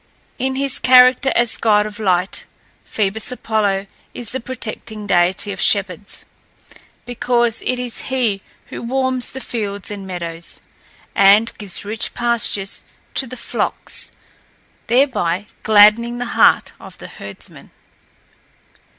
In his character as god of light, Phoebus Apollo is the protecting deity of shepherds, because it is he who warms the fields and meadows, and gives rich pastures to the flocks, thereby gladdening the heart of the herdsman.